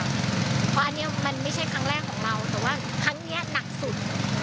เพราะอันนี้มันไม่ใช่ครั้งแรกของเราแต่ว่าครั้งนี้หนักสุด